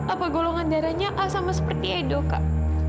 apa golongan darahnya a sama seperti edo kak